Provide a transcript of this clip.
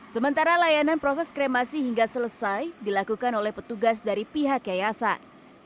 sementara layanan proses kremasi hingga selesai dilakukan oleh petugas dari pihak yayasan